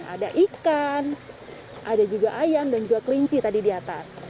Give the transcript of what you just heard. ada ikan ada juga ayam dan juga kelinci tadi di atas